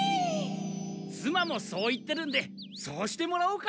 つまもそう言ってるんでそうしてもらおうか。